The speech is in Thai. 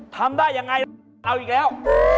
ทำได้ยังไงเอาอีกแล้ว